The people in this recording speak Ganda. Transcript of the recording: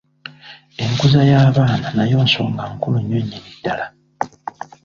Enkuza y’abaana nayo nsonga nkulu nnyo nnyini ddala.